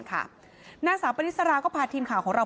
นางสาวปริสราก็พาทีมข่าวของเรา